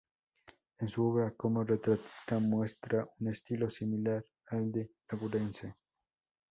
En su obra como retratista muestra un estilo similar al de Lawrence.